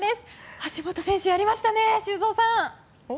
橋岡選手、やりましたね修造さん！